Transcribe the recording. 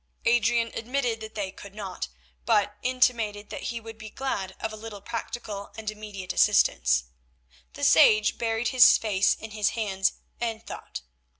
Adrian admitted that they could not, but intimated that he would be glad of a little practical and immediate assistance. The sage buried his face in his hands and thought.